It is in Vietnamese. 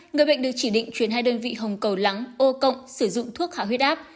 người bệnh được chỉ định chuyển hai đơn vị hồng cầu lắng ô cộng sử dụng thuốc hạ huyết áp